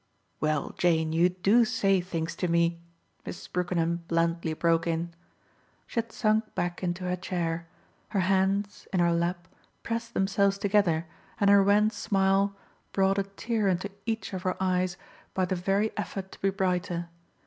"Well, Jane, you do say things to me!" Mrs. Brookenham blandly broke in. She had sunk back into her chair; her hands, in her lap pressed themselves together and her wan smile brought a tear into each of her eyes by the very effort to be brighter.